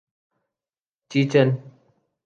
چیچن